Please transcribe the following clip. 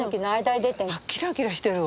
キラキラしてるわ。